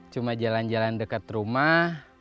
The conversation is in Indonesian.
cuma jalan jalan dekat rumah